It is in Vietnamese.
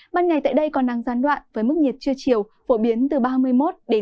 ban ngày tại đây còn nắng gian đoạn với mức nhiệt trưa chiều phổ biến từ ba mươi một ba mươi bốn độ